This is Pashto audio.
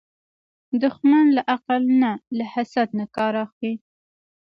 دښمن له عقل نه، له حسد نه کار اخلي